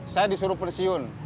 saya disuruh pensiun